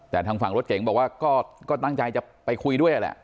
แต่ทางฝั่งรถเก๋งบอกว่าก็ตั้งใจจะไปคุยด้วยแหละ